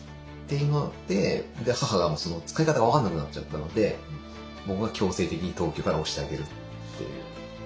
で母がその使い方分かんなくなっちゃったので僕が強制的に東京から押してあげるっていう。